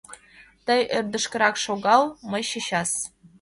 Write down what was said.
— Тый ӧрдыжкырак шогал, мый чечас!